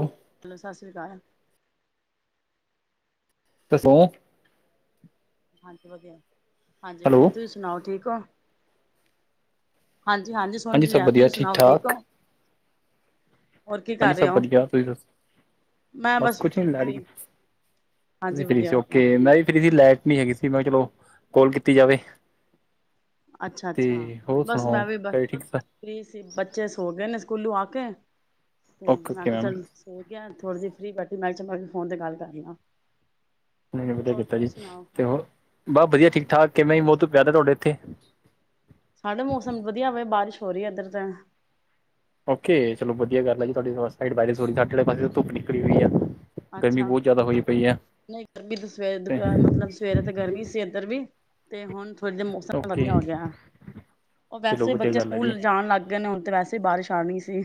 ਹਮ। Hello ਸਤਿ ਸ਼੍ਰੀ ਅਕਾਲ। ਦੱਸੋ। ਹਾਂਜੀ ਵਧੀਆ, ਹਾਂਜੀ ਹੈਲੋ ਵਧੀਆ ਤੁਸੀਂ ਸੁ। ਸੁਨਾਓ ਠੀਕ ਹੋ? ਹਾਂਜੀ-ਹਾਂਜੀ ਸ। ਸੁੰਨ ਹਾਂਜੀ ਸਭ ਰਹੀ, ਤੁਸੀਂ ਵਧੀਆ ਸੁਣਾਓ ਠੀਕ ਠਾਕ ਹੋ? ਹੋਰ ਕੀ ਹਾਂਜੀ ਕਰ ਰਹੇ ਸਭ ਹੋ ਵਧੀਆ ਤੁਸੀਂ ਮੈਂ ਦੱਸੋ-ਬਸ ਬਸ ਕੁੱਝ ਨਹੀਂ ਲੈ ਕੇ ਫਰੀ ਗੇ ਸ। ਤੁਸੀਂ ਹਾਂਜੀ ਫ੍ਰੀ ਵਧੀਆ ਸੀ ਵਧੀਆ ਓਕੇ, ਲਾਈਟ ਗਈ ਦੀ ਸੀ ਲੈਟ ਨਹੀਂ ਹੈਗੀ ਸੀ, ਮੈਂ ਕਿਹਾ ਚਲੋ ਕੋਲ ਕੀਤੀ ਜਾਵੇ। ਤੇ ਅੱਛਾ-ਅੱਛਾ, ਹੋਰ ਬਸ ਸੁਣਾਓ ਮੈਂ ਵੀ ਬ ਘਰੇ ਠੀਕ ਸਭ ਫੀ੍ ਸੀ, ਬੱਚੇ ਸੋ ਗਏ ਨੇ ਸਕੂਲੋਂ ਆ ਕੇ, ਹੂੰ ਤੇ ਓਕੇ ਮੈਂ ਓਕੇ ਕਿਆ ਮੈਮ ਚੱਲ। ਸੋ ਗਿਆ। ਥੋੜ੍ਹੀ ਜਹੀ ਫੀ੍ ਬੈਠੀ ਮੈਂ ਚੱਲ, ਮੈਂ ਵੀ ਫੋਨ ਤੇ ਗੱਲ ਕਰਲਾਂ। ਨਈਂ-ਨਈਂ ਵਧੀਆ ਕੀਤਾ ਜੀ, ਤੇ ਹੋਰ ਬਸ ਵਧੀਆ ਠੀਕ ਠਾਕ ਕਿਵੇਂ [unintelligible] ਸਾਡੇ ਮੌਸਮ ਵਧੀਆ ਵੇ ਬਾਰਿਸ਼ ਹੋ ਰਹੀ ਹੈ ਇੱਧਰ ਤਾਂ। ਓਕੇ ਚੱਲੋ ਵਧੀਆ ਗੱਲ ਹੈ ਜੀ ਤੁਹਾਡੇ ਪਾਸ ਸਾਇੱਡ ਬਾਰਿਸ ਹੋ ਰਹੀ ਸਾਡੇ ਆਲੇ ਪਾਸੇ ਧੁੱਪ ਨਿਕਲੀ ਹੋਈ ਆ। ਗਰਮੀ ਅੱਛਾ ਬਹੁਤ ਜ਼ਿਆਦਾ ਹੋਈ ਪਈ। ਆ ਨਹੀਂ ਗਰਮੀ ਤਾਂ ਸਵੇਰ ਤੇ ਦੁਪਿਹਰੇ ਮਤਲਬ ਸਵੇਰੇ ਤਾਂ ਗਰਮੀ ਸੀ ਇੱਧਰ ਵੀ। ਤੇ ਹੁਣ ਥੋੜ੍ਹੇ ਜਿਆ ਮੌਸਮ ਓਕੇ ਵਧੀਆ ਹੋ ਗਿਆ ਆ। ਔਰ ਚਲੋ ਵੈਸੇ ਵਧੀਆ ਬੱਚੇ ਗੱਲ ਹੈ ਜੀ ਸਕੂਲ ਜਾਣ ਲੱਗ। ਦਿਨ ਏ, ਹੁਣ ਤੇ ਵੈਸੇ ਹੀ ਬਾਰਿਸ਼ ਆਣੀ ਸੀ।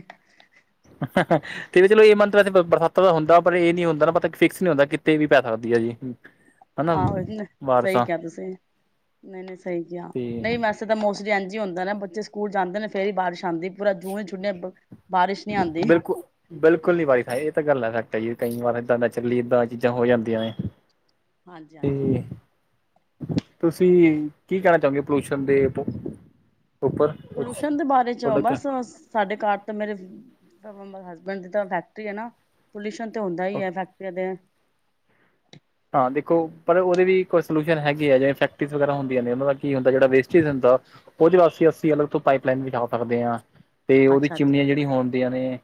ਹਹਹ ਤੇ ਵੀ ਚੱਲੋ ਇਹ ਮੰਨਤ ਵੈਸੇ ਬ ਬਰਸਾਤਾਂ ਦਾ ਹੁੰਦਾ, ਪਰ ਇਹ ਨੀ ਹੁੰਦਾ ਨਾ ਪਤਾ ਇੱਕ ਫਿਕਸ ਨੀ ਹੁੰਦਾ, ਕਿਤੇ ਵੀ ਪੈ ਸਕਦੀ ਹੈ ਜੀ। [inaudible] ਆਹੋ ਜੀ, ਸਹੀ ਬਾਰਿਸ਼ਾਂ ਕਿਹਾ ਤੁਸੀਂ, ਨਹੀਂ-ਨਹੀਂ, ਸਹੀ ਕਿਹਾ, ਤੇ ਨਹੀਂ ਮੈਸ ਤਦ ਮੌਸ ਜੀ ਇੰਝ ਹੀ ਹੁੰਦਾ ਐ ਨਾ, ਬੱਚੇ ਸਕੂਲ ਜਾਂਦੇ ਨੇ ਫੇਰ ਈ ਬਾਰਿਸ਼ ਆਂਦੀ, ਪੂਰਾ ਜੂਨ ਹੀ ਛੁੱਟਿਆਂ ਬ ਬਿਲਕੁੱ ਬਿਲਕੁੱਲ ਨੀ ਵਾਏ-ਫਾਏ ਇਹ ਤਾਂ ਗੱਲ ਫੈੱਕਟ ਹੈ ਜੀ, ਕਈ ਵਾਰਾਂ ਏਦਾਂ ਦਾ ਚੱਲੀਏ, ਏਦਾਂ ਚੀਜ਼ਾਂ ਹੋ ਜਾਂਦੀਆਂ ਨੇ। ਹਾਂਜੀ-ਹਾਂਜੀ। ਤੇ ਤੁਸੀਂ, ਕੀ ਕਹਿਣਾ ਚਾਹੋਗੇ ਪੋਲੂਸ਼ਣ ਦੇ ਬ? ਪੱਲੂਸ਼ਣ ਦੇ ਬਾਰੇ'ਚ ਤੁਹਾਡਾ ਬਸ-ਅਸ ਸਾੱਡੇ ਘਰ ਤਾਂ ਮੇਰੇ ਜ਼ਜ਼ ਤ ਬ ਮ ਹੱਸਬੈਂਡ ਦੀ ਤਾਂ ਫੈੱਕਟਰੀ ਹੈ ਨਾ, ਪੱਲੂਸ਼ਣ ਤੇ ਹੋਂਦਾ ਹੀ ਹੈ, ਫੈੱਕਟਰੀਆਂ ਤੇ। ਹਾਂ ਦੇਖੋ, ਪਰ ਉਹਦੇ ਵੀ ਕੋਈ ਸੋਲੂਸ਼ਨ ਹੈਗੇ ਏ, ਜਿਵੇਂ ਫੈਕਟਰੀਜ਼ ਵਗੈਰਾ ਹੁੰਦੀਆਂ ਨੇ ਉਹਨਾਂ ਦਾ ਕੀ ਹੁੰਦਾ, ਜਿਹੜਾ ਵੇਸਟੇਜ ਹੁੰਦਾ ਉਹਦੇ ਵਾਸਤੇ ਅੱਸੀ ਅਲੱਗ ਤੋਂ ਪਾਈਪ-ਲਾਈਨ ਵਿਛਾ ਸਕਦੇ ਹਾਂ। ਤੇ ਉਹਦੀ ਅੱਛਾ ਚਿਮਨੀਆਂ ਅੱਛਾ ਜਿਹੜੀਆਂ ਹੋਣਦੀਆਂ ਨੇ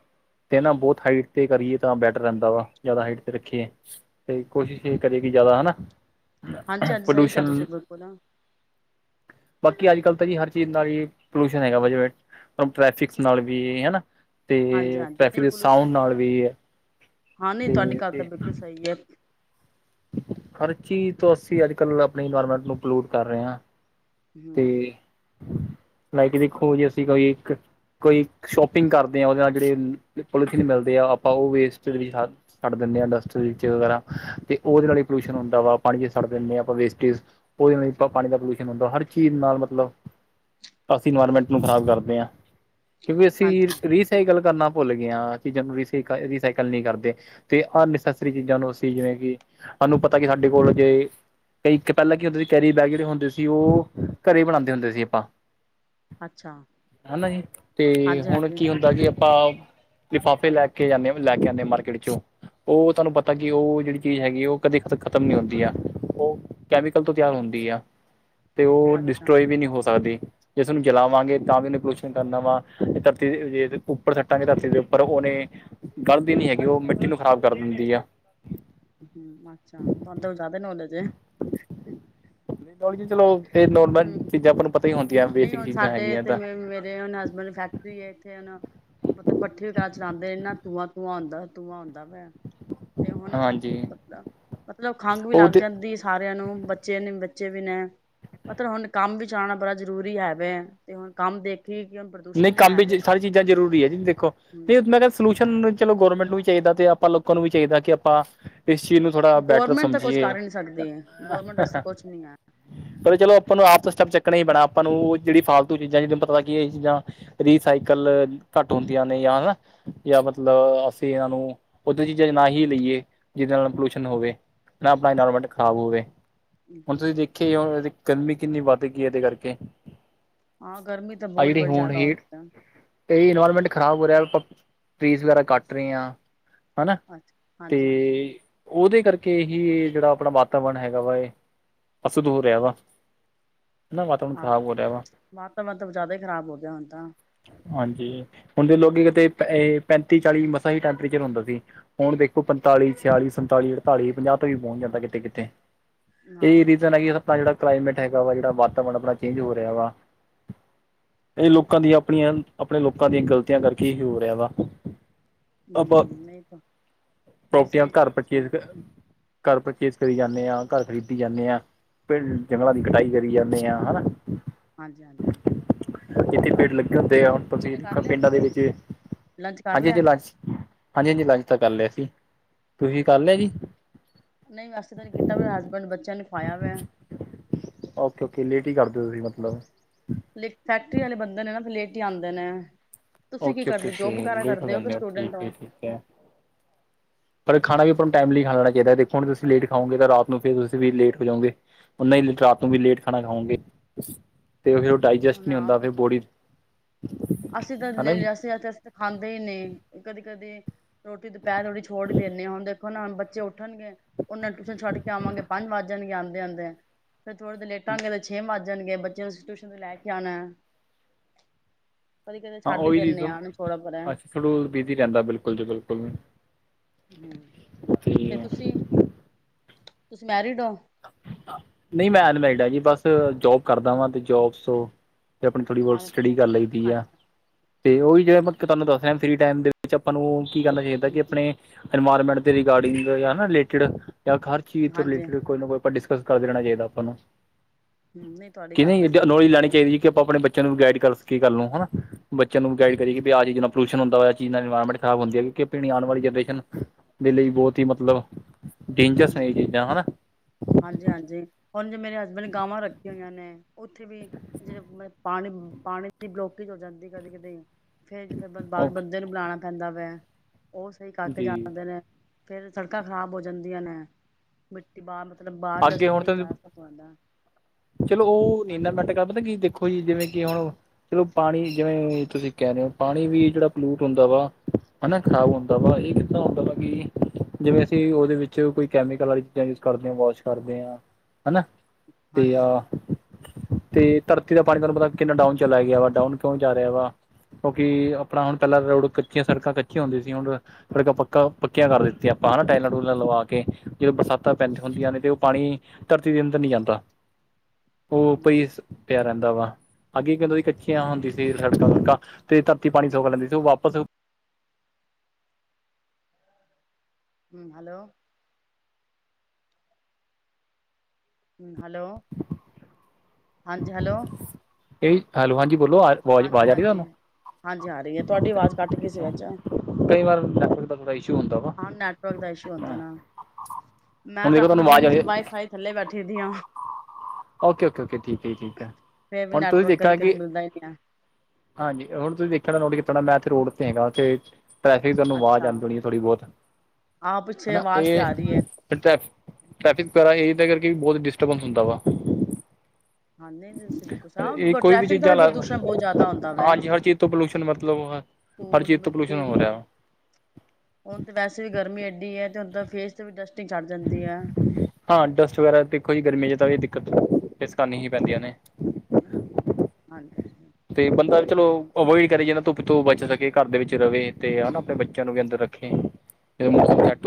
ਤੇ ਨਾ ਬਹੁਤ ਹਾਈਟ ਤੇ ਕਰੀਏ ਤਾਂ ਬੈਟਰ ਰਹਿੰਦਾ ਵਾ, ਜ਼ਿਆਦਾ ਹਾਈਟ ਤੇ ਰੱਖੀਏ ਸਸ ਤੇ ਕੋਸ਼ਿਸ਼ ਤੇ ਕਰੇ ਕੀ ਜ਼ਿਆਦਾ ਹੈਨਾ। ਖੰ ਹਾਂਜੀ ਮ ਹਾਂਜੀ ਸਹੀ ਕਿਹਾ ਪੱਲੂਸ਼ਣ, ਤੁਸੀਂ ਬਿਲਕੁਲ ਬਾਕੀ ਹਮ ਅੱਜ-ਕੱਲ ਤਾਂ ਜੀ ਹਰ ਕਿੰਨਾ ਜੀ ਪੱਲੂਸ਼ਣ ਹੈਗਾ ਵਾ ਜਿਂਵੇ, ਪਰੱਮ ਟ੍ਰੈਫਿਕਸ ਨਾਲ ਵੀ ਹੈਨਾ। ਹਾਂਜੀ ਤੇ, ਹਾਂਜੀ ਟਰੈਫਿੱਕ ਨਹੀਂ ਦੇ ਪੋਲਿਊਸ਼ਨ ਸਾੰਊਂਡ ਨਾਲ ਵੀ ਹੈ। ਹਾਂ, ਨਹੀਂ ਤੇ ਤੁਹਾਡੀ ਗੱਲ ਅਸੀਂ ਤਾ ਬਿਲਕੁੱਲ ਸਹੀ ਹੈ। ਹਰ ਚੀਜ਼ ਤੋਂ, ਅਸੀਂ ਅੱਜ-ਕੱਲ ਆਪਣੀ ਇਨਵਾਇਰਮੈਂਟ ਨੂੰ ਪੱਲੂਟ ਕਰ ਰਹੇ ਹਾਂ, ਹਮ ਤੇ ਲਾਈਕ ਵੇਖੋ ਜੀ, ਅਸੀਂ ਕੋਈ ਇੱਕ ਕੋਈ ਸ਼ੌਪਿੰਗ ਕਰਦੇ ਹਾਂ, ਉਹਦੇ ਨਾਲ ਜਿਹੜੇ ਪੋਲੀਥੀਨ ਮਿਲਦੇ ਆ, ਆਪਾਂ ਉਹ ਵੇਸਟ ਦੇ ਵਿੱਚ ਹ ਛੱਡ ਦਿੰਨੇ ਆਂ ਇੰਡਸਟਰੀ ਵਿੱਚ ਵਾਰਾ ਤੇ ਉਹਦੇ ਨਾਲ ਹੀ ਪੱਲੂਸ਼ਣ ਹੁੰਦਾ ਵਾ ਪਾਣੀ ਵਿੱਚ ਸੱਟ ਦਿੰਨੇ ਆਂ ਆਪਾਂ ਵੇਸਟੇਜ਼। ਉਹਦੇ ਨਾਲ ਈ ਤਾਂ ਪਾਣੀ ਦਾ ਪੱਲੂਸ਼ਣ ਹੁੰਦਾ ਹਰ ਚੀਜ਼ ਨਾਲ ਮਤਲਬ। ਅਸੀਂ ਇਨਵਾਇਰਨਮੈਂਟ ਨੂੰ ਖ਼ਰਾਬ ਕਰਦੇ ਹਾਂ। ਕਿਉਂਕਿ ਅਸੀਂ ਹਾਂਜੀ ਇਸ ਰੀਸ। ਇਹੀ ਗੱਲ ਕਰਨਾ ਭੁੱਲ ਗਿਆਂ। ਚੀਜ਼ਾਂ ਨੂੰ ਰੀਸਾਈਕ ਰੀਸਾਈਕੱਲ ਨਹੀਂ ਕਰਦੇ। ਤੇ ਅੱਨਨਸੈਸਰੀ ਚੀਜ਼ਾਂ ਨੂੰ ਅਸੀਂ ਜਿਵੇਂ ਕਿ ਸਾਨੂੰ ਪਤਾ ਕਿ ਸਾੱਡੇ ਕੋਲ ਜੇ ਕਈ ਇਕ ਪਹਿਲਾਂ ਕੀ ਹੁੰਦੇ ਸੀ ਕੈਰੀ ਬੈੱਗ ਜਿਹੜੇ ਹੁੰਦੇ ਸੀ ਉਹ ਘਰੇ ਹੀ ਬਣਾਉਂਦੇ ਹੁੰਦੇ ਸੀ ਆਪਾਂ। ਅੱਛਾ ਹੈਨਾ ਜੀ। ਤੇ ਹੁਣ ਹਾਂਜੀ-ਹਾਂਜੀ, ਕੀ ਹੁੰਦਾ ਜੀ ਅ ਆਪਾਂ ਲਿਫਾਫੇ ਲੈ ਕੇ ਆਂਦੇ ਹਾਂ। ਬਈ ਲੈ ਕੇ ਆਂਦੇ ਆਂ ਮਾਰਕਿੱਟ ਵਿੱਚੋਂ, ਉਹ ਤੁਹਾਨੂੰ ਪਤਾ ਹੈ ਕਿ ਉਹ ਜਿਹੜੀ ਚੀਜ਼ ਹੈਗੀ ਉਹ ਕਦੇ ਖਤੱਮ ਨਹੀਂ ਹੁੰਦੀ ਆ। ਉਹ ਕੈਮੀਕਲ ਤੋਂ ਤਿਆਰ ਹੁੰਦੀ ਆ। ਤੇ ਉਹ ਅੱਛਾ ਡਿਸਟ੍ਰੋਏ ਵੀ ਨਹੀਂ ਹੋ ਸਕਦੀ। ਜੇ ਉਸਨੂੰ ਚਲਾਵਾਂਗੇ ਤਾਂ ਵੀ ਉਹਨੇ ਪਲੂਸ਼ਣ ਕਰਨਾ ਵਾ ਤੇ ਧਰਤੀ ਦੇ ਜੇ ਤੇ ਊੱਪਰ ਸੁਟਾਂਗੇ ਧਰਤੀ ਦੇ ਉੱਪਰ ਉਹਨੇ। ਗੱਲਦੀ ਨੀ ਹੈਗੀ ਏ, ਉਹ ਮਿੱਟੀ ਨੂੰ ਖ਼ਰਾਬ ਕਰ ਦਿੰਦੀ ਆ। ਹਮ ਅੱਛਾ, ਤੁਹਾਨੂੰ ਤੋ ਜ਼ਿਆਦਾ ਈ ਨਾੱਲੇਜ ਏ। ਨੌਲੇਜ ਚੱਲੋ, ਇਹ ਨੋਰਮਲ ਹੂੰ ਚੀਜ਼ਾਂ ਆਪਾਂ ਨੂੰ ਪਤਾ ਹੀ ਹੁੰਦੀਆਂ। ਨਹੀਂ ਬੇਸਿਕ ਹੁਣ ਚੀਜ਼ਾਂ ਸਾਡੇ ਹੈਗੀਆਂ ਇਥੇ ਤਾਂ ਮੇ ਮੇਰੇ ਹੁਨ ਹੱਸਬੈਂਡ ਫੈੱਕਟਰੀ ਨੇ ਇੱਥੇ ਹੁਣ। ਮਤਲਬ ਪੱਠੀ ਖੈਰ ਚਲਾਂਦੇ ਨਾ ਐਣਾ ਧੂਆਂ-ਧੂਆਂ ਹੁੰਦਾ, ਧੂਆਂ ਹੁੰਦਾ ਵੇ। ਤੇ ਹੁਣ ਸਸ ਹਾਂਜੀ ਪਤਾ ਮਤਲਬ ਖੰਘ ਵੀ ਉਹ ਲੱਗ ਤੇ ਜਾਂਦੀ ਏ। ਸਾਰਿਆਂ ਨੂੰ ਬੱਚੇ ਨੇ ਬੱਚੇ ਵੀ ਨੇ ਮਤਲਬ, ਹੁਣ ਕੰਮ ਵੀ ਜਣਾ ਪੈ ਜ਼ਰੂਰੀ ਹੈ ਵੇ ਤੇ, ਹੁਣ ਕੰਮ ਦੇਖੀ ਕਿ ਹੁਣ ਨਹੀਂ ਪ੍ਰਦੂਸ਼ਣ ਕੰਮ ਹੈ ਵੇ ਵੀ, ਸਾਰੀ ਚੀਜ਼ਾਂ ਜ਼ਰੂਰੀ ਹੈ ਜੀ ਦੇਖੋ ਨਹੀਂ ਮੈਂ ਕਿਹਾ ਸਲਿਊਸ਼ਨ ਚਲੋ ਗੌਰਮੈਂਟ ਨੂੰ ਵੀ ਚਾਹੀਦਾ ਤੇ, ਆਪਾਂ ਲੋਕਾਂ ਨੂੰ ਵੀ ਚਾਹੀਦਾ ਕਿ ਆਪਾਂ ਇਸ ਚੀਜ਼ ਨੂੰ, ਥੋੜ੍ਹਾ ਬੈਟਰ ਗੌਰਮੈਂਟ ਤਾਂ ਕੁਛ ਸਮਝੀਏ। ਕਰ ਹੀ ਨੀ ਸਕਦੀ ਹੈ ਗੌਰਮੈਂਟ ਵਾਸਤੇ ਕੁਛ ਨੀ ਹੈ। ਪਰ ਚਲੋ ਆਪਾਂ ਨੂੰ ਆਪ ਤਾਂ, ਸਟਪ ਚੱਕਣਾ ਹੀ ਪੈਣਾ ਆਪਾਂ ਨੂੰ, ਉਹ ਜਿਹੜੀ ਫਾਲਤੂ ਚੀਜ਼ਾਂ ਜਿਹਨੂੰ ਪਤਾ ਕੀ ਇਹ ਚੀਜ਼ਾਂ ਰੀਸਾਈਕਲ ਘੱਟ ਹੁੰਦੀਆਂ ਨੇ, ਜਾਂ ਹਨਾ ਜਾਂ ਮਤਲਬ ਅਸੀਂ ਇਹਨਾਂ ਨੂੰ ਉਦੋਂ ਚੀਜ਼ਾਂ ਨਾ ਹੀ ਲਈਏ, ਜਿਹਦੇ ਨਾਲ ਪੋਲਿਊਸ਼ਨ ਹੋਵੇ ਨਾ ਆਪਣਾ, ਇਨਵਾਇਰਮੈਂਟ ਖਰਾਬ ਹੋਵੇ, ਹੁਣ ਤੁਸੀਂ ਦੇਖੀ ਜਾਉ, ਇਹ ਗਰਮੀ ਕਿੰਨੀ ਵੱਧ ਗਈ ਇਦੇ ਕਰਕੇ ਹਾਂ ਗਰਮੀ ਤਾਂ, ਬਹੁਤ ਬੜ ਜਾ ਇਹੀ ਇਨਵਾਇਰਮੈਂਟ ਖ਼ਰਾਬ ਹੋ ਆਪਾਂ, ਟਰੀਜ਼ ਵਗੈਰਾ ਕੱਟ ਰਹੇ ਹਾਂ। ਹਨਾ ਅੱਛਾ ਤੇ ਹਾਂਜੀ ਹਾਂਜੀ ਉਹਦੇ ਕਰਕੇ ਹੀ, ਜਿਹੜਾ ਆਪਣਾ ਵਾਤਾਵਰਨ ਹੈਗਾ ਵਾ ਇਹ- ਅਸਲ ਹੋ ਰਿਹਾ ਵਾ, ਵਾਤਾਵਰਨ ਆਹੋ ਖ਼ਰਾਬ ਹੋ ਰਿਹਾ ਵਾ ਵਾਤਾਵਰਨ ਤਾਂ ਜ਼ਿਆਦਾ ਹੀ, ਖ਼ਰਾਬ ਹੋ ਗਿਆ ਹੁਣ ਤਾਂ ਹਾਂਜੀ, ਹੁਣਦੇ ਲੋਕ ਕਿਤੇ ਇਹ ਪੈਂਤੀ ਚਾਲੀ ਮਸਾਂ ਹੀ ਟੈਂਪਰੇਚਰ ਹੁੰਦਾ ਸੀ। ਹੁਣ ਦੇਖੋ, ਪੰਤਾਲੀ, ਛਿਆਲੀ, ਸੰਤਾਲੀ, ਅੜਤਾਲੀ, ਪੰਜਾਹ ਤੇ ਵੀ, ਪਹੁੰਚ ਜਾਂਦਾ ਕਿਤੇ ਕਿਤੇ ਇਹਹੀ ਆਹੋ ਰੀਜ਼ਨ ਹੈ ਕਿ, ਆਪਣਾ ਜਿਹੜਾ ਕਲਾਈਮੇਟ ਹੈਗਾ ਵਾ, ਜਿਹੜਾ ਵਾਤਾਵਰਨ ਚੇਜ ਹੋ ਰਿਹਾ ਵਾ ਇਹ ਲੋਕਾਂ ਦੀਆਂ ਆਪਣੀਆਂ, ਆਪਣੇ ਲੋਕਾਂ ਦੀਆਂ ਗ਼ਲਤੀਆਂ, ਕਰਕੇ ਹੀ ਹੋ ਰਿਹਾ ਵਾ ਆਪਾਂ, ਹਮ ਨਹੀਂ ਤਾਂ ਨਹੀਂ ਪ੍ਰੋਪਰਟੀਆਂ ਸਹੀ ਘਰ ਕਿਹਾ ਪਰਚੇਜ਼ ਤੁਸੀਂ ਕਿ ਘਰ ਪਰਚੇਜ਼ ਕਰੀ ਜਾਂਦੇ ਹਾਂ, ਘਰ ਖਰੀਦੀ ਜਾਂਦੇ ਹਾਂ, ਪਿੰਡ ਜੰਗਲਾਂ ਦੀ ਕਟਾਈ ਕਰੀ ਜਾਂਦੇ ਹਾਂ ਹਨਾ। ਹਾਂਜੀ- ਹਾਂਜੀ। ਹੋਰ ਜਿੱਥੇ ਪੇੜ ਸੁਣਾਓ ਲੱਗੇ ਹੁੰਦੇ ਆ, ਹੁਣ ਤੁਸੀਂ ਕਰ ਦੇ ਲਿਆ ਪਿੰਡਾਂ ਦੇ ਤੁਸੀਂ ਵਿੱਚ ਲੰਚ ਕਰ ਅਜੇ ਤੇ ਲਿਆ ਲਾਚ ਹਾਲੇ ਨਿ ਲੰਚ ਤਾਂ ਕਰ ਲਿਆ ਸੀ ਤੁਸੀਂ ਕਰ ਲਿਆ ਜੀ ਅੱਛਾ, ਨਹੀਂ ਵੈਸੇ ਤਾਂ ਨੀ ਕੀਤਾ, ਬ ਹਸਬੈਂਡ ਬੱਚਿਆਂ ਨੂੰ ਖਾਇਆ ਵੈ। ਓਕੇ- ਓਕੇ ਲੇਟ ਹੀ ਕਰਦੇ ਹੋ ਤੁਸੀਂ ਮਤਲਬ ਲੇ ਫੈਕਟਰੀ ਵਾਲੇ ਬੰਦੇ ਨੇ, ਨਾ ਲੇਟ ਹੀ ਆਉਂਦੇ ਨੇ, ਤੁਸੀਂ ਕੀ ਓਕੇ, ਓਕੇ ਕਰਦੇ ਜੋਬ ਵਗੈਰਾ ਲੇਟ ਹੋ ਕਰਦੇ ਕਿ ਜਾਂਦੇ ਹੋ ਸਟੂਡੈਂਟ ਠੀਕ ਹੈ ਠੀਕ ਹੈ ਪਰ ਖਾਣਾ ਵੀ ਆਪਾਂ ਨੂੰ ਟਾਈਮਲੀ ਖਾੈਣਾ ਚਾਹੀਦਾ, ਦੇਖੋ ਹੁਣ ਤੁਸੀ ਲੇਟ ਖਾਓਗੇ ਤਾਂ, ਰਾਤ ਨੂੰ ਫਿਰ ਤੁਸੀਂ ਵੀ ਲੇਟ ਹੋ ਜਾਓਗੇ। ਓਹਨਾ ਹੀ ਰਾਤ ਨੂੰ ਵੀ ਲੇਟ ਖਾਣਾ ਖਾਓਗੇ? ਤੇ ਫਿਰ ਉਹ, ਡਾਈਜੈਸਟ ਮੈਂ ਨਹੀਂ ਹੁੰਦਾ ਆਪ ਫਿਰ ਬੋਡੀ ਅਸੀਂ ਤਾਂ ਹਨਾ ਲੈ ਜੀ ਲਿਆ ਸੀ, ਅਸੀ ਖਾਂਦੇ ਹੀ ਨ ਕਦੇ ਕਦੇ ਰੋਟੀ ਦੁਪਹਿਰ ਵਾਲੀ ਛੋੜ ਦਿੰਨੇ ਆ ਹੁਣ, ਦੇਖੋ ਨਾ ਬੱਚੇ ਉੱਠਣਗੇ ਉਹਨਾਂ, ਤੁਸੀਂ ਛੱਡ ਕੇ ਆਵਾਂਗੇ ਪੰਜ ਵੱਜ ਜਾਣਗੇ ਆਦੇ -ਆਦੇ ਫਿਰ ਥੋੜੇ ਦੇਰ ਲੇਟਾਂਗੇ, ਤੇ ਛੇ ਵੱਜ ਜਾਣਗੇ, ਬੱਚਿਆ ਨੂੰ ਟਿਊਸ਼ਨ ਤੋਂ ਲੈ ਕੇ ਆਣੇ ਕਦੀ, ਕਦੇ ਹਾਂ ਛੱਡ ਹੀ ਉਹੀ ਦਿੰਨੇ ਰੀਜ਼ਨ ਆ ਛੋੜੋ ਪਰਾ ਰਹਿਣ ਅਸੀਂ ਬਿਜ਼ੀ ਰਹਿੰਦਾ, ਬਿਲਕੁਲ ਜੀ ਬਿਲਕੁਲ। ਤੇ, ਤੁਸੀਂ -ਤੁਸੀਂ ਮੈਰਿਡ ਹੋ? ਨਹੀਂ ਮੈਂ, ਅਨ ਮੱਰੀਡ ਹਾ ਜੀ ਬਸ ਜੋਬ ਕਰਦਾ ਹਾਂ ਵਾਂ ਤੇ ਜੋਬ ਸੋ ਅਤੇ ਆਪਣੀ ਥੋੜ੍ਹੀ ਬਹੁਤ ਹਾਂ ਸਟੱਡੀ ਪਤਾ ਕਰ ਲਈ ਦੀ ਹੈ ਅੱਛਾ ਤੇ ਉਹ ਵੀ ਜਿਹੜਾ ਮੈਂ ਤੁਹਾਨੂੰ ਦੱਸ ਰਿਹਾ ਫਰੀ ਟਾਈਮ ਦੇ ਵਿੱਚ ਆਪਾਂ ਨੂੰ ਕੀ ਕਰਨਾ ਚਾਹੀਦਾ ਕਿ ਹਮ ਆਪਣੇ ਇਨਵਾਰਮੈਂਟ ਦੇ ਰਿਗਾਰਡਿੰਗਟ ਤੋਂ ਲਿਆ ਨਾ ਰਿਲੇਟਿਡ ਤਾਂ ਹਰ ਚੀਜ਼ ਤੋਂ ਹਾਂਜੀ ਰਿਲੇਟਿਡ ਕੋਈ ਨਾ ਕੋਈ ਆਪਾਂ ਡਿਸਕਸ ਕਰਦੇ ਰਹਿਣਾ ਚਾਹੀਦਾ ਆਪਾਂ ਨੂੰ, ਹਮ ਨਹੀਂ ਤੁਹਾਡੀ ਕਿ ਗੱਲ ਤਾਂ ਨਹੀਂ? ਸਹੀ ਨੋਲਿਜ ਲੈਣੀ ਚਾਹੀਦੀ। ਕਿ ਆਪਾਂ ਆਪਣੇ ਬੱਚਿਆਂ ਨੂੰ ਵੀ ਗਾਈਡ ਕਰ ਸਕੀਏ, ਗੱਲ ਨੂੰ ਹਨਾ। ਬੱਚਿਆਂ ਨੂੰ ਗਾਈਡ ਕਰੀਏ ਕਿ ਵੀ ਆ ਚੀਜ਼ ਨਾਲ ਪੋਲਿਊਸ਼ਨ ਹੁੰਦਾ ਵੇ, ਆ ਚੀਜ਼ ਨਾਲ ਇਨਵਾਇਰਮੈਂਟ ਖਰਾਬ ਹੁੰਦੀ ਐ ਕਿ ਪਣੀ ਆਣ ਵਾਲੀ ਜਨਰੇਸ਼ਨ ਦੇ ਲਈ ਬਹੁਤ ਹੀ ਮਤਲਬ ਡੇਂਜਰਸ ਨੇ ਹਮ ਇਹ ਚੀਜ਼ਾਂ ਹਨਾ। ਹਾਂਜੀ-ਹਾਂਜੀ, ਹੁਣ ਜੇ ਮੇਰੇ ਹਸਬੈਂਡ ਗਾਵਾਂ ਰੱਖੀਆਂ ਹੋਈਆਂ ਨੇ ਉੱਥੇ ਵੀ ਜਿੜੇ ਮਤਬ ਪਾਣੀ ਪਾਣੀ ਦੀ ਬਲੋਕੇਜ ਹੋ ਜਾਂਦੀ ਕਦੇ-ਕਦੇ। ਫੇਰ ਜਿਰ ਬ ਬਾਹਰ ਓਕੇ ਬੰਦੇ ਨੂੰ ਬੁਲਾਉਣਾ ਪੈਂਦਾ ਵਾ, ਉਹ ਸਹੀ ਕਰਕੇ ਜੀ ਜਾਂਦੇ ਨੇ। ਫੇਰ ਸੜਕਾਂ ਖ਼ਰਾਬ ਹੋ ਜਾਂਦੀਆਂ ਨੇ। ਮਿੱਟੀ ਬਾਹਰ ਮਤਲਬ ਬਾਹਰ ਅੱਗੇ ਹੁਣ ਡਸਟਿੰਗ ਤਾਂ ਕਰ ਸਭ ਹੋ ਜਾਂਦਾ ਏ। ਚਲੋ, ਉਹ ਨੀ ਇੰਨਾ ਮੈਂਟ ਕਰ ਪਤਾ ਕਿ ਦੇਖੋ ਜੀ ਜਿਵੇਂ ਕਿ ਹੁਣ ਚਲੋ ਪਾਣੀ ਜਿਵੇਂ ਤੁਸੀਂ ਕਹਿ ਰਹੇ ਹੋ ਪਾਣੀ ਵੀ ਜਿਹੜਾ ਪੋਲਿਊਟ ਹੁੰਦਾ ਵਾ। ਹਨਾ ਖ਼ਰਾਬ ਹੁੰਦਾ ਵਾ ਇਹ ਕਿੱਦਾਂ ਹੁੰਦਾ ਵਾ ਕਿ ਜਿਵੇਂ ਅਸੀਂ ਉਹਦੇ ਵਿੱਚ ਕੋਈ ਕੈਮੀਕਲ ਵਾਲੀ ਚੀਜ਼ਾਂ ਯੂਜ ਕਰਦੇ ਹਾਂ ਵਾਸ਼ ਕਰਦੇ ਹਾਂ ਹਨਾ ਤੇ ਆ ਹਾਂਜੀ-ਹਾਂਜੀ-ਹਾਂਜੀ ਤੇ ਧਰਤੀ ਦਾ ਪਾਣੀ ਤੁਹਾਨੂੰ ਪਤਾ ਕਿੰਨਾ ਡਾਊਨ ਚਲਾ ਗਿਆ ਵਾ, ਡਾਊਨ ਕਿਉਂ ਜਾ ਰਿਹਾ ਵਾ? ਕਿਉਂਕਿ ਆਪਣਾ ਹੁਣ ਪਹਿਲਾਂ ਰੋਡ ਕੱਚੀਆਂ ਸੜਕਾਂ, ਕੱਚੀਆਂ ਹੁੰਦੇ ਸੀ ਹੁਣ ਸੜਕਾਂ ਪੱਕਾ ਪੱਕੀਆਂ ਕਰ ਦਿੱਤੀਆਂ ਆਪਾਂ ਹਨਾ, ਟਾਇਲਾਂ ਟੂਇਲਾਂ ਲਵਾ ਕੇ, ਜਦੋਂ ਬਰਸਾਤਾਂ ਪੈਂਦੀ ਹੁੰਦੀਆਂ ਨੇ ਤੇ ਉਹ ਪਾਣੀ ਧਰਤੀ ਦੇ ਅੰਦਰ ਨੀ ਜਾਂਦਾ। ਉਹ ਉਪਰ ਹੀ ਅੱਛਾ ਪਿਆ ਰਹਿੰਦਾ ਵਾ। ਅੱਗੇ ਕਹਿੰਦੇ ਸੀ ਕੱਚੀਆਂ ਹੁੰਦੀ ਸੀ ਸੜਕਾਂ ਸੁੜਕਾਂ ਤੇ ਧਰਤੀ ਪਾਣੀ ਸੁੱਕ ਲੈਂਦੀ ਸੀ ਉਹ ਵਾਪਸ ਹੂੰ, ਹੈਲੋ। ਹੂੰ ਹੈਲੋ, ਹਾਂਜੀ ਹੈਲੋ। ਇਹ ਹੈਲੋ, ਹਾਂਜੀ ਬੋਲੋ ਆ। ਆਵਾਜ਼ ਆਵਾਜ਼ ਆ ਰਹੀ ਤੁਹਾਨੂੰ ਹਾਂਜੀ-ਹਾਂਜੀ-ਹਾਂਜੀ ਆ ਰਹੀ ਏ, ਤੁਹਾਡੀ ਆਵਾਜ਼ ਕੱਟ ਗਈ ਸੀ ਵਿੱਚ ਕਈ ਵਾਰ ਨੈਟਵਰਕ ਦਾ ਇਸ਼ੂ ਹੁੰਦਾ ਵਾ ਹਾਂ ਨੈਟਵਰਕ ਦਾ ਇਸ਼ੂ ਹੁੰਦਾ ਹਾਂ ਨਾ, ਮੈਂ ਹੁਣ ਤਾਂ ਦੇਖੋ ਤੁਹਾਨੂੰ ਆਪਣੇ ਆਵਾਜ਼ ਰੂਮ ਆ ਚ ਰਹੀ ਵਾਈਫਾਈ ਥੱਲੇ ਬੈਠੀ ਦੀਆਂ। ਓਕੇ-ਓਕੇ-ਓਕੇ ਠੀਕ ਐ ਜੀ ਠੀਕ ਐ ਫੇਰ ਵੀ ਹੁਣ ਤੁਸੀਂ ਨੈਟਵਰਕ ਕਦੀ ਦੇਖਣਾ ਕਦੀ ਕਿ ਮਿਲਦਾ ਹੀ ਨਹੀਂ ਹੈ ਹਾਂਜੀ, ਹੁਣ ਤੁਸੀਂ ਦੇਖਿਆ ਹੋਣਾ ਨੋਟ ਕੀਤਾ ਹੋਣਾ ਮੈ ਤੇ ਰੋਡ ਤੇ ਹੈਗਾ ਤੇ ਟ੍ਰੈਫਿਕ ਤੁਹਾਨੂੰ ਆਵਾਜ਼ ਅੱਛਾ ਆਂਦੀ ਹੋਣੀ ਥੋੜੀ ਬਹੁਤ ਆਹ ਪਿੱਛੇ ਹਨਾ ਆਵਾਜ਼ ਤੇ ਇਹ ਆ ਰਹੀ ਹੈ ਫਿਰ ਟੈ ਟ੍ਰੈਫਿਕ ਵੈਗੇਰਾ ਇ ਇਹਦਾ ਕਰਕੇ ਵੀ ਬਹੁਤ ਡਿਸਟਰਬੈਂਸ ਹੁੰਦਾ ਵਾ ਹਾਂ ਨਹੀਂ ਤੁਸੀਂ ਬਿਲਕੁਲ ਇਹ ਸਹੀ, ਕੋਈ ਵੀ ਟ੍ਰੈਫਿਕ ਦਾ ਚੀਜ਼ਾਂ ਲਾ, ਪ੍ਰਦੂਸ਼ਣ ਬਹੁਤ ਜ਼ਿਆਦਾ ਹੁੰਦਾ ਵੈ ਹਾਂਜੀ ਹਰ ਚੀਜ਼ ਤੋਂ ਪੋਲਿਊਸ਼ਨ ਮਤਲਬ ਹਰ ਧੂਲ ਚੀਜ਼ ਤੋਂ ਮਿੱਟੀ ਪੋਲਿਊਸ਼ਨ ਹੋ ਰਿਹਾ। ਹੁਣ ਤਾਂ ਵੈਸੇ ਵੀ ਗਰਮੀ ਐਡੀ ਏ ਤੇ ਹੁਣ ਤਾਂ ਫੇਸ ਤੇ ਵੀ ਡਸਟਿੰਗ ਚੱਡ ਜਾਂਦੀ ਐ। ਹਾਂ ਡਸਟ ਵਗੈਰਾ ਦੇਖੋ ਜੀ ਗਰਮੀਆਂ ਚ ਤਾਂ ਇਹ ਦਿੱਕਤ ਫੇਸ ਕਰਨੀ ਹੀ ਪੈਂਦੀਆਂ ਨੇ। ਹਮ, ਹਾਂਜੀ-ਹਾਂਜੀ। ਤੇ ਬੰਦਾ ਚਲੋ ਅਵੋਇਡ ਕਰੇ, ਜਿਨ੍ਹਾਂ ਧੁੱਪ ਤੋਂ ਬਚ ਸਕੇ, ਘਰ ਦੇ ਵਿੱਚ ਰਵੇ ਤੇ ਹਨਾ ਆਪਣੇ ਬੱਚਿਆਂ ਨੂੰ ਵੀ ਅੰਦਰ ਰੱਖੇ। [unintelligible] [unintelligible] ਹਮ ਸਟ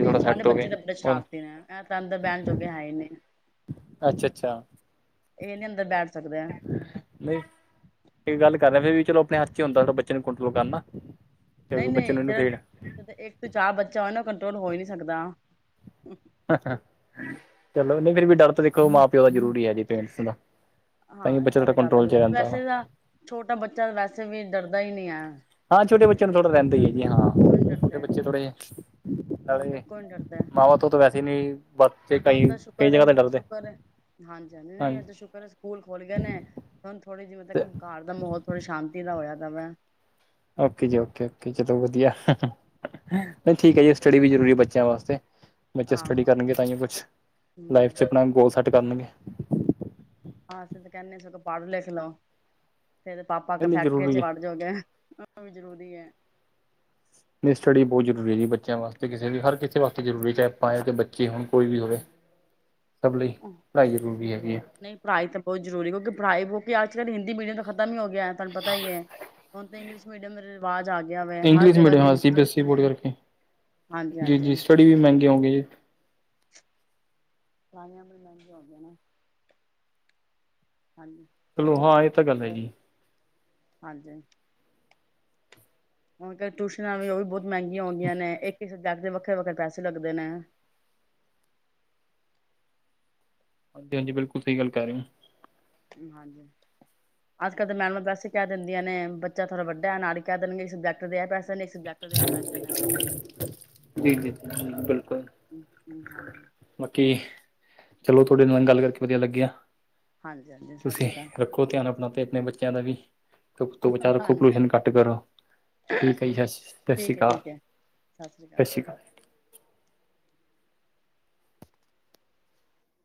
ਨਹੀਂ ਸਾਡੇ ਬੱਚੇ ਤਾਂ ਬੜੇ ਸ਼ਰਾਰਤੀ ਨੇ ਇਹ ਤਾਂ ਅੰਦਰ ਬਹਿਣ ਜੋਗੇ ਹੈ ਹੀ ਨੇ ਅੱਛਾ-ਅੱਛਾ। ਇਹ ਨੀ ਅੰਦਰ ਡਾਲ। ਨਈ ਕੀ ਗੱਲ ਕਰ ਰਿਐ ਫਿਰ ਵੀ ਚਲੋ ਆਪਣੇ ਹੱਥ ਇੱਚ ਈ ਹੁੰਦੈ ਬੱਚੇ ਨੂੰ ਕੰਟਰੋਲ ਕਰਨਾ। ਤੇ ਬੱਚੇ ਨੂੰ ਨਈ-ਨਈ ਇਹਨੂੰ ਫੇਰ ਤੁ ਤੇ ਇੱਕ ਤੋਂ ਚਾ ਬੱਚਾ ਔ ਨਾ ਕੰਟਰੋਲ ਹੋ ਈ ਨਈ ਸਕਦਾ। ਚਲੋ ਨਈ ਫੇਰ ਵੀ ਡਰ ਤੇ ਵੇਖੋ ਮਾਂ ਪਿਓ ਦਾ ਜ਼ਰੂਰੀ ਐ ਜੀ, ਪੇਰੈਂਟਸ ਦਾ। ਤਾਂ ਹਾਂ ਹੀ ਐ ਬੱਚਾ ਥੋੜਾ ਤੁਆਡੇ ਘਰ ਤਾਂ ਕੰਟਰੋਲ 'ਚ [unintelligible] ਰਹਿੰਦਾ ਵਾ। ਵੈਸੇ ਤਾਂ ਛੋਟਾ ਬੱਚਾ ਵੈਸੇ ਵੀ ਡਰਦਾ ਈ ਨੀ ਐ। ਹਾਂ ਛੋਟੇ ਬੱਚਿਆਂ ਨੂੰ ਥੋੜ੍ਹਾ ਰੈਂਦੀ ਹੈਗੀ ਏ ਹਾਂ ਛੋਟੇ ਡਰਦੇ ਆ ਬੱਚੇ ਥੋੜਾ ਜਿਆ ਹਾਂ ਨਾਲੇ ਬਿਲਕੁਲ ਨੀ ਡਰਦੇ ਆ, ਮਾਵਾਂ ਤੋਂ ਤਾਂ ਵੈਸੇ ਨਈ ਬੱਚੇ ਕਈ, ਕਈ ਜਗ੍ਹਾ ਤੇ ਡਰਦੇ। ਹਾਂਜੀ-ਹਾਂਜੀ ਨਈ ਏ ਹਾਂਜੀ ਤੇ ਸ਼ੁਕਰ ਏ ਸਕੂਲ ਖੋਲ ਗਏ ਨੇ ਹੁਣ ਥੋੜੀ ਜਿ ਮਤਲਬ ਤੇ ਹੁਨ ਘਾਰ ਦਾ ਮਾਹੌਲ ਥੋੜੀ ਸ਼ਾਂਤੀ ਦਾ ਹੋਇਆ ਦਾ ਵੇ। ਔਕੇ ਜੀ ਔਕੇ, ਔਕੇ ਚਲੋ ਵਧੀਆ। ਨਈ ਠੀਕ ਐ ਜੀ ਸਟੱਡੀ ਵੀ ਜ਼ਰੂਰੀ ਐ ਬੱਚਿਆਂ ਵਾਸਤੇ। ਬੱਚੇ ਸਟੱਡੀ ਆਹੋ ਕਰਨਗੇ ਤਾਂਈਯੋਂ ਕੁਛ ਲਾਈਫ ਹਮ 'ਚ ਆਪਣਾ ਗੋਲ ਸੈੱਟ ਕਰਨਗੇ। ਹਾਂ ਅਸੀ ਤੇ ਕੈਨੇ ਆਂ ਸਗੋਂ ਪੜ੍ਹ ਲਿਖ ਲਔ ਤੇ ਇਦੇ ਪਾਪਾ ਨਹੀਂ ਅੱਗੋਂ ਨਹੀਂ ਫੈਕਟਰੀਆਂ ਜ਼ਰੂਰੀ ਹੈ ਚਲਾਂ ਜੋਗੇ, ਔ ਵੀ ਜ਼ਰੂਰੀ ਏ। ਨਈ ਸਟੱਡੀ ਬੋਤ ਜ਼ਰੂਰੀ ਏ ਜੀ ਬੱਚਿਆਂ ਵਾਸਤੇ। ਕਿਸੇ ਵੀ, ਹਰ ਕਿਸੇ ਵਾਸਤੇ ਜ਼ਰੂਰੀ ਏ ਚਾਏ ਆਪਾਂ ਐ, ਚਾਏ ਬੱਚੇ ਹੋਣ ਕੋਈ ਵੀ ਹੋਵੇ। ਸਭ ਲਈ ਪੜ੍ਹਾਈ ਜ਼ਰੂਰੀ ਹੈਗੀ ਆ। ਨਈ ਪੜ੍ਹਾਈ ਤੇ ਬੋਤ ਜ਼ਰੂਰੀ ਕਿਉਂਕਿ ਪੜ੍ਹਾਈ ਕਿਉਂਕਿ ਅੱਜ ਕੱਲ੍ਹ ਹਿੰਦੀ ਮੀਡੀਅਮ ਤਾਂ ਖਤਮ ਈ ਹੋ ਗਿਐ, ਤਾਨੂੰ ਪਤਾ ਈ ਏ। ਹੁਣ ਤੇ ਇੰਗਲਿਸ਼ ਮੀਡੀਅਮ ਦਾ ਰਿਵਾਜ਼ ਆ ਗਿਆ ਵੇ। ਹਰ ਇੰਗਲਿਸ਼ ਜਗ੍ਹਾ ਮੀਡੀਅਮ ਹਾਂ ਤੇ ਸੀ ਬੀ ਐੱਸ ਈ ਚੱਲਤੀ ਬੋਰਡ ਹੈ। ਹਾਂਜੀ-ਹਾਂਜੀ। ਐਵੀ ਮੈਂਗੇ ਹੋਂਗੇ ਪੜਾਈਆਂ ਬੜੀ ਮਹਿੰਗੀਆਂ ਹੋ ਗਈਆਂ ਨੇ। ਹਾਂਜੀ। ਚਲੋ ਹਾਂ ਏ ਤਾਂ ਗੱਲ ਹੈ ਜੀ। ਹਾਂਜੀ-ਹਾਂਜ ਹੁਣ ਤੇ ਟਿਊਸ਼ਨਾਂ ਵੀ ਔ ਵੀ ਬੋਤ ਮਹਿੰਗੀਆਂ ਹੋ ਗਈਆਂ ਨੇ। ਇੱਕ ਈ ਸਬਜੈਕਟ ਦੇ ਵੱਖਰੇ-ਵੱਖਰੇ ਪੈਸੇ ਲੱਗਦੇ ਨੇ। ਹਾਂਜੀ-ਹਾਂਜੀ ਬਿਲਕੁਲ ਸਈ ਗੱਲ ਕੈ ਰਏ ਔ। ਹਾਂਜੀ। [inaudible] ਅੱਜਕੱਲ ਤੇ ਮੈਮਾਂ ਵੈਸੇ ਕੈ ਦਿੰਦੀਆਂ ਨੇ ਬੱਚਾ ਥੋੜਾ ਵੱਡਾ ਐ ਨਾਲ ਈ ਕੈ ਦੇਣਗੇ ਇਸ ਸਬੈਕਟ ਦੇ ਐ ਪੈਸੇ ਨੇ, ਇਸ ਸਬਜੈਟ ਜੀ-ਜੀ, ਬਿਲਕੁਲ। ਹਾਂਜੀ ਬਾਕੀ, ਚਲੋ ਤੁਆਡੇ ਨਾਲ ਗੱਲ ਕਰਕੇ ਵਧੀਆ ਲੱਗਿਆ। ਹਾਂਜੀ-ਹਾਂਜੀ। ਤੁਸੀ ਰੱਖੋ ਧਿਆਨ ਅਪਣਾ ਤੇ ਅਪਣੇ ਬੱਚਿਆਂ ਦਾ ਵੀ। ਧੁੱਪ ਤੋ ਬਚਾ ਅਕਾਲ ਰੱਖੋ, ਹਾਂਜੀ ਪੋਲਿਊਸ਼ਨ ਘੱਟ ਕਰੋ। ਠੀਕ ਐ ਜੀ, ਸ ਸ ਸ੍ਰੀ ਠੀਕ ਹੈ ਕਾਲ, ਠੀਕ ਹੈ ਸਤਿ ਸ਼੍ਰੀ ਅਕਾਲ ਸਸ ਸ੍ਰੀ ਕਾਲ।